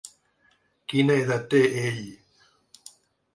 Quina edat té ell?